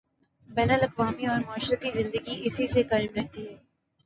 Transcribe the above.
بین الاقوامی اورمعاشرتی زندگی اسی سے قائم رہتی ہے۔